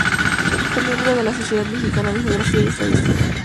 Fue miembro de la Sociedad Mexicana de Geografía y Estadística.